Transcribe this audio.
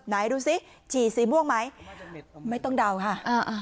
ไหนดูสิฉี่สีม่วงไหมไม่ต้องเดาค่ะอ่า